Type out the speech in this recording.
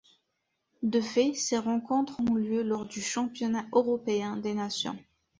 De fait, ces rencontres ont lieu lors du Championnat européen des nations.